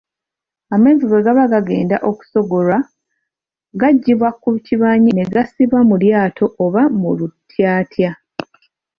Amenvu bwe gaba gagenda okusogolwa, gaggyibwa ku kibanyi ne gassibwa mu lyato oba mu lutyatya.